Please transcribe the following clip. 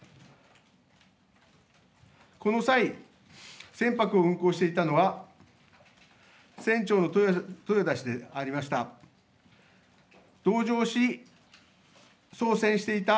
この際、船舶を運航していたのは船長の豊田氏でありました。